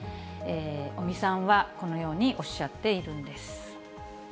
尾身さんはこのようにおっしゃっているんです。